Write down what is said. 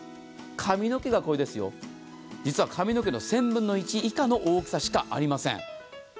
髪の毛がこれですよ、実は髪の毛の１０００分の１の大きさしかありません